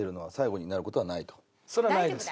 それはないです。